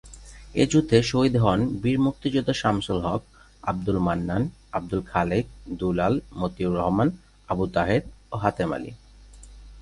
এ যুদ্ধে শহীদ হন বীর মুক্তিযোদ্ধা শামসুল হক, আব্দুল মান্নান, আব্দুল খালেক, দুলাল, মতিউর রহমান, আবু তাহের ও হাতেম আলী।